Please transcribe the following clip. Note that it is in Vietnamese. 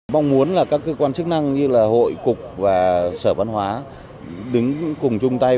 mong muốn là các cơ quan chức năng như là hội cục và sở văn hóa đứng cùng chung tay